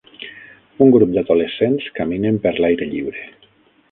Un grup d'adolescents caminen per l'aire lliure.